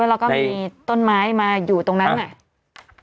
แล้วก็มีต้นไม้มาอยู่ตรงนั้นน่ะ